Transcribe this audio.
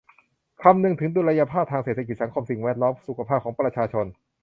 คำนึงถึงดุลยภาพทางเศรษฐกิจ สังคม สิ่งแวดล้อม สุขภาพของประชาชน